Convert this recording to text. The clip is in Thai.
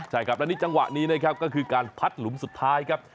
ใช่ครับและในจังหวะนี้คือการพัดหลุมสุดท้ายครับ